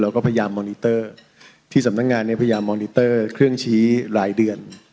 พยายามมอนิเตอร์ที่สำนักงานเนี่ยพยายามมอนิเตอร์เครื่องชี้รายเดือน